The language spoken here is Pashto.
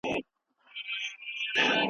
د بوټو پاڼې ولي مړاوې سوي دي؟